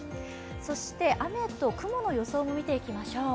雨と雲の予想を見ていきましょう。